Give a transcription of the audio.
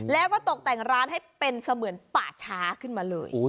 แล้วก็ตกแต่งร้านให้เป็นเสมือนป่าช้าขึ้นมาเลย